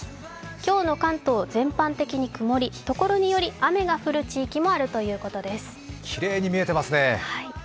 今日の関東、全般的に曇り、ところにより雨が降る地域もあるということです。